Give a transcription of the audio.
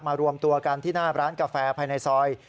รวมตัวกันที่หน้าร้านกาแฟภายในซอย